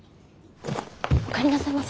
お帰りなさいませ。